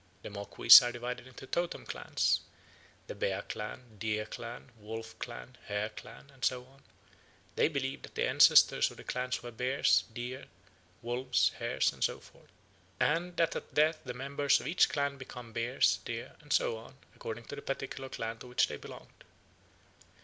The Moquis are divided into totem clans the Bear clan, Deer clan, Wolf clan, Hare clan, and so on; they believe that the ancestors of the clans were bears, deer, wolves, hares, and so forth; and that at death the members of each clan become bears, deer, and so on according to the particular clan to which they belonged.